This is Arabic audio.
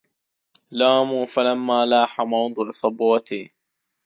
لاموا فلما لاح موضع صبوتي